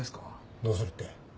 どうするって？